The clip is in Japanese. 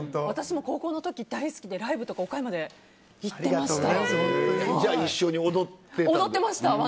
私も高校の時、大好きでライブとか岡山で行っていました。